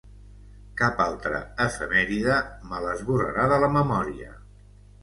Cap altra efemèride me l'esborrarà de la memòria.